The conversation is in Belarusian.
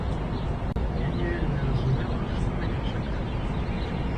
Я не вельмі разумела, што мяне чакае.